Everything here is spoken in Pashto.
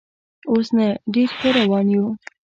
اوس نه، ډېر ښه روان یو.